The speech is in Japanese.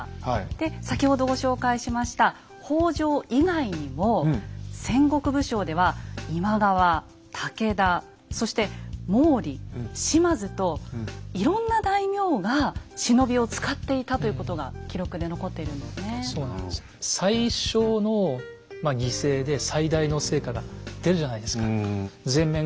で先ほどご紹介しました北条以外にも戦国武将では今川武田そして毛利島津といろんな大名が忍びを使っていたということが記録で残っているんですね。っていうことだったんじゃないかなと思うんですよ。